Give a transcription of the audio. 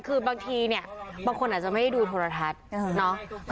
คือบางทีเนี่ยบางคนอาจจะไม่ได้ดูโทรทัศน์เนาะ